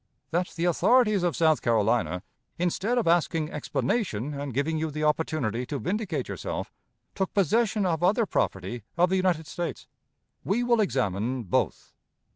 That the authorities of South Carolina, instead of asking explanation and giving you the opportunity to vindicate yourself, took possession of other property of the United States. We will examine both.